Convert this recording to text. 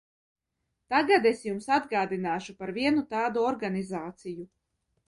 Tagad es jums atgādināšu par vienu tādu organizāciju.